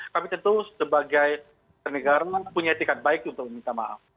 kami tentu sebagai negara punya etikat baik untuk meminta maaf